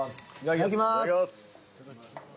いただきます。